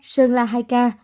sơn la hai ca